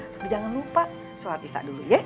tapi jangan lupa sholat isya dulu ya